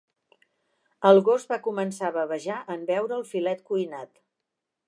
El gos va començar a bavejar en veure el filet cuinat.